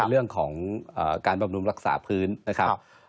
เรื่องของการบำรุงรักษาพื้นนะครับ